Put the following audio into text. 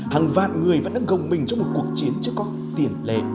hàng vạn người vẫn gồng mình trong một cuộc chiến chứ có tiền lệ